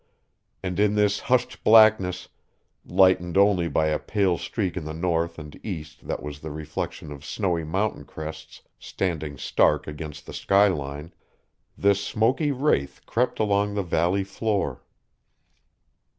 And in this hushed blackness lightened only by a pale streak in the north and east that was the reflection of snowy mountain crests standing stark against the sky line this smoky wraith crept along the valley floor.